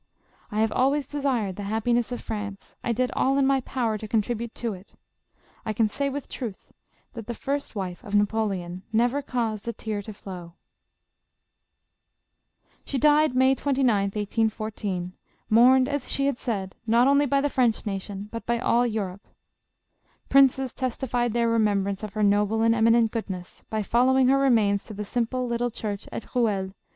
I have always desired the happiness of France ; I did all in my power to con tribute to it ; I can say with truth, that the first wife of Napoleon never caused a tear to flow." She died May 29th, 1814, mourned as she had odd, not only by the French nation, but by all Europe. Princes testified their remembrance of her noble and eminent goodness, by following her remains to the simple, little church at Rouel.